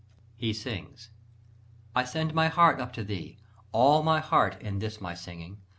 ] He sings. I send my heart up to thee, all my heart In this my singing.